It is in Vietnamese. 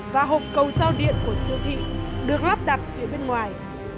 và hộp cầu giao điện của siêu thị được lắp đặt phía bên ngoài